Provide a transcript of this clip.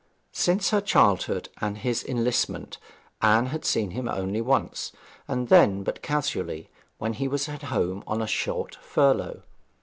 Since her childhood and his enlistment Anne had seen him only once, and then but casually, when he was home on a short furlough.